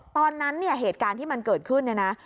ตอนนั้นเนี่ยเหตุการณ์ที่มันเกิดขึ้นเนี่ยนะ